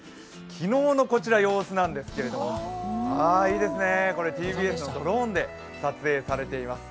昨日の様子なんですけれども、いいですね、これはＴＢＳのドローンで撮影されています